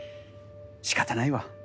仕方ないわ。